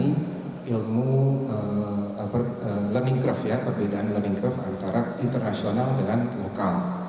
ini ilmu learning curve ya perbedaan learning curve antara internasional dengan lokal